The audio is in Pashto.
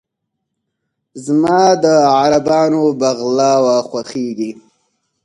زما د عربانو "بغلاوه" خوښېږي.